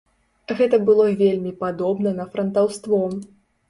Гэта было вельмі падобна на франтаўство.